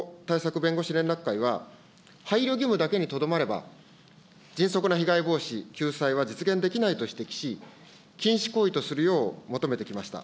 弁護士連絡会では、配慮義務だけにとどまれば、迅速な被害防止、救済は実現できないと指摘し、禁止行為とするよう求めてきました。